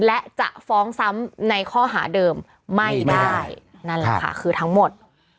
และจะฟ้องซ้ำในข้อหาเดิมไม่ได้นั่นแหละค่ะคือทั้งหมด